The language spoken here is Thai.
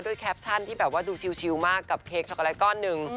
แคปชั่นที่แบบว่าดูชิลมากกับเค้กช็อกโกแลตก้อนหนึ่ง